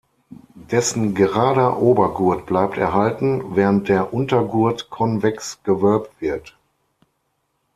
Dessen gerader Obergurt bleibt erhalten, während der Untergurt konvex gewölbt wird.